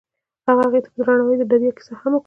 هغه هغې ته په درناوي د دریا کیسه هم وکړه.